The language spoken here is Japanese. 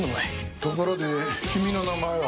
ところで君の名前は？